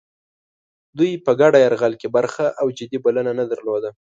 دوی په ګډ یرغل کې برخه او جدي بلنه نه درلوده.